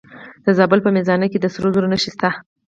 د زابل په میزانه کې د سرو زرو نښې شته.